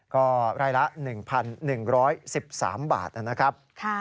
ก็รายละ๑๑๑๓บาทนะครับ